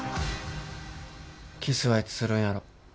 キスはいつするんやろ。